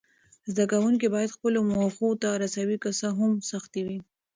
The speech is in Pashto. زده کوونکي باید خپلو موخو ته رسوي، که څه هم سختۍ وي.